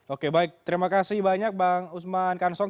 oke baik terima kasih banyak bang usman kansong